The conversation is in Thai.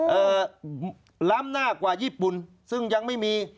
เอ่อล้ำหน้ากว่าญี่ปุ่นซึ่งยังไม่มี